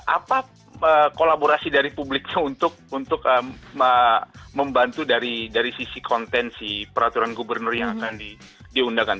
apa kolaborasi dari publiknya untuk membantu dari sisi konten si peraturan gubernur yang akan diundangkan